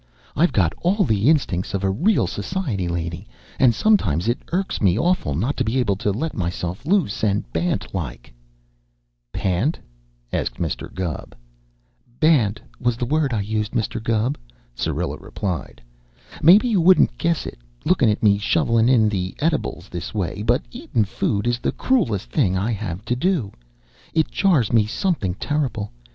I've got all the instincts of a real society lady and sometimes it irks me awful not to be able to let myself loose and bant like " "Pant?" asked Mr. Gubb. "Bant was the word I used, Mr. Gubb," Syrilla replied. "Maybe you wouldn't guess it, lookin' at me shovelin' in the eatables this way, but eatin' food is the croolest thing I have to do. It jars me somethin' terrible.